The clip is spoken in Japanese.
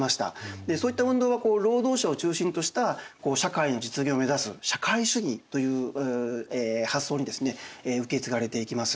でそういった運動は労働者を中心とした社会の実現を目指す社会主義という発想にですね受け継がれていきます。